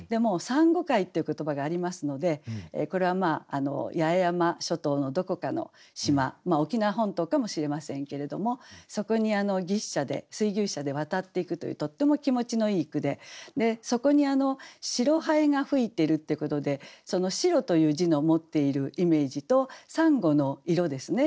「珊瑚海」っていう言葉がありますのでこれは八重山諸島のどこかの島沖縄本島かもしれませんけれどもそこに牛車で水牛車で渡っていくというとっても気持ちのいい句でそこに「白南風」が吹いてるってことでその「白」という字の持っているイメージと珊瑚の色ですね。